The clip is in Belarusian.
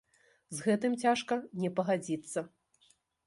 З гэтым цяжка не пагадзіцца.